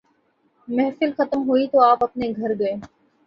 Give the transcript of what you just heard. محفل ختم ہوئی تو آپ اپنے گھر گئے۔